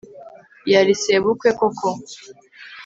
yari sebukwe koko